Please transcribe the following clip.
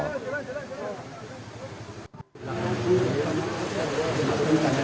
dapatkan mobil sendiri